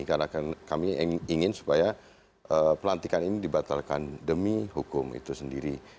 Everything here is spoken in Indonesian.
karena kami ingin supaya pelantikan ini dibatalkan demi hukum itu sendiri